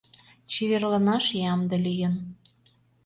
Чеверланаш ямде лийын;